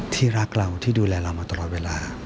ที่รักเราที่ดูแลเรามาตลอดเวลา